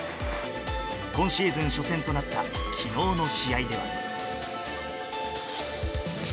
今シーズン初戦となったきのうの試合では。